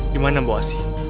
di mana mbak asih